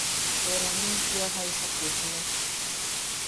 Peronim kia jaisa kujne.